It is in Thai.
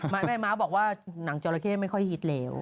ไม่บอกว่านางจอรเผคคลาไม่ค่อยฮิตเลียว